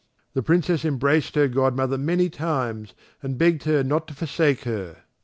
The Princess embraced her godmother many times, and begged her not to forsake her.